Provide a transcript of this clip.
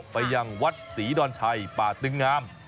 ไปยังวัดศรีดอนชัยป่าตึงงาม